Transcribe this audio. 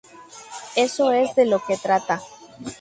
Eso es de lo que trata.